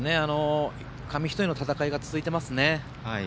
紙一重の戦いが続いていますね。